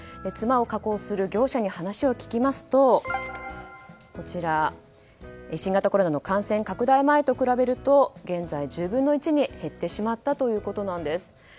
つまを加工する業者に話を聞きますと新型コロナの感染拡大前と比べると現在、１０分の１に減ってしまったということです。